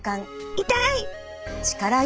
痛い！